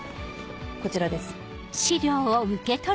こちらです。